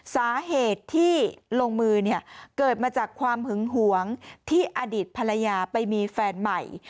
สาเหตุที่ลงมือเนี่ยเกิดมาจากความหึงหวงที่อดีตภรรยาไปมีแฟนใหม่